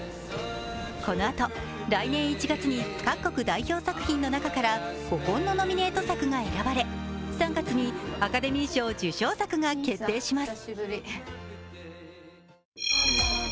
このあと、来年１月に各国代表作品の中から５本のノミネート作が選ばれ、３月にアカデミー賞受賞作が決定します。